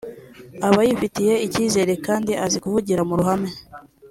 aba yifiye icyizere kandi azi kuvugira mu ruhame